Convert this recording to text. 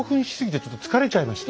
ちょっと疲れちゃいました。